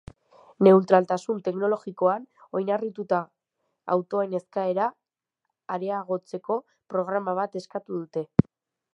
Neutraltasun teknologikoan oinarrituta autoen eskaera areagotzeko programa bat eskatu dute.